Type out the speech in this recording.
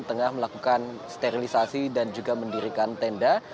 tengah melakukan sterilisasi dan juga mendirikan tenda